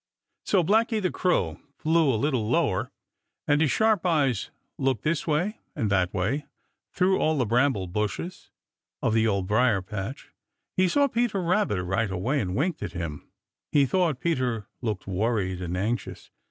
So Blacky the Crow flew a little lower, and his sharp eyes looked this way and that way through all the bramble bushes of the Old Briar patch. He saw Peter Rabbit right away and winked at him. He thought Peter looked worried and anxious.